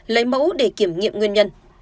lấy mẫu để kiểm nghiệm nguyên nhân